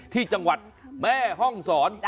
ที่จังหวัดแม่ห้องศร